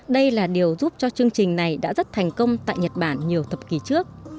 đây là điều giúp cho chương trình này đã rất thành công tại nhật bản nhiều thập kỷ trước